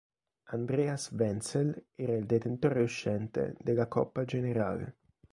Andreas Wenzel era il detentore uscente della Coppa generale.